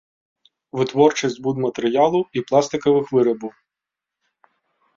Вытворчасць будматэрыялаў і пластыкавых вырабаў.